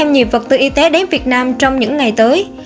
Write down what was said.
nhiều vật tư y tế đến việt nam trong những ngày tới